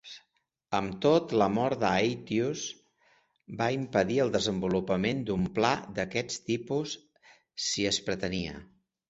Amb tot, la mort d'Aetius va impedir el desenvolupament d'un pla d'aquest tipus, si es pretenia.